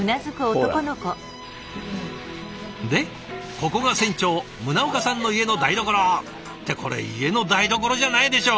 でここが船長宗岡さんの家の台所。ってこれ家の台所じゃないでしょ。